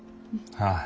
ああ。